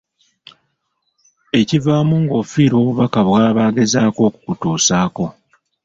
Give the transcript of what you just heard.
Ekivaamu ng'ofiirwa obubaka bw'aba agezaako okukutuusaako.